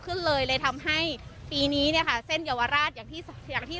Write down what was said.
ขึ้นเลยเลยทำให้ปีนี้เนี่ยค่ะเส้นเยาวราชอย่างที่อย่างที่